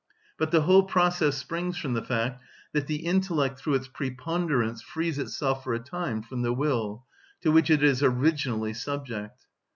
But the whole process springs from the fact that the intellect through its preponderance frees itself for a time from the will, to which it is originally subject.